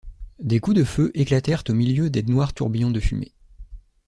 Des coups de feu éclatèrent au milieu des noirs tourbillons de fumée.